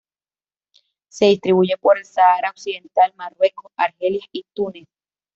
Se distribuye por el Sáhara Occidental, Marruecos, Argelia y Túnez.